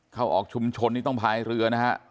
เข้าออกชุมชนนี่ต้องพายเรือนะฮะ